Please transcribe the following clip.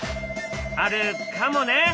あるかもね！？